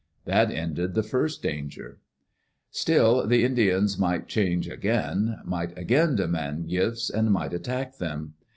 That ended the first danger. Still, the Indians might change again, might again de mand gifts and might attack them.